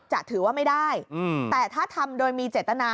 จะถือว่าไม่ได้แต่ถ้าทำโดยมีเจตนา